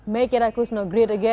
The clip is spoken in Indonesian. make irakusto great again